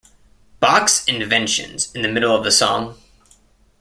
Bach's Inventions in the middle of the song.